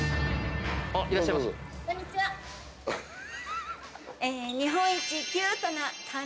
あっいらっしゃいました。